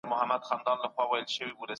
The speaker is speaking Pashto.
ريښتنولي تر درواغو زياته اغېزناکه ده.